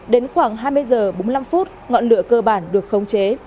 đến khoảng hai mươi h bốn mươi năm ngọn lửa cơ bản được khống chế